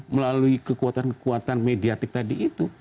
melalui kekuatan kekuatan mediatik tadi itu